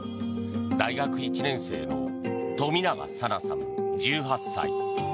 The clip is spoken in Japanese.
大学１年生の冨永紗菜さん、１８歳。